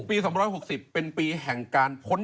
๒๖๐เป็นปีแห่งการพ้น